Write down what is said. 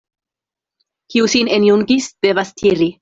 Kiu sin enjungis, devas tiri.